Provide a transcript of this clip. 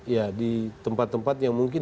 ya di tempat tempat yang mungkin